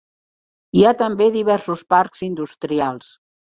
Hi ha també diversos parcs industrials.